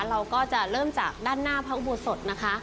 เราก็จะเริ่มจากด้านหน้าพระอุโบสถนะคะ